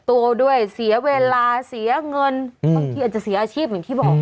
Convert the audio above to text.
ตัวด้วยเสียเวลาเสียเงินก็อาจจะเสียอาชีพเหมือนที่บอก